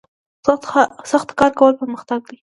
سخت کار کول پرمختګ دی